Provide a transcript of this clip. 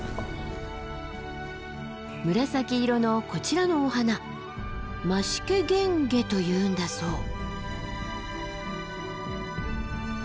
紫色のこちらのお花マシケゲンゲというんだそう。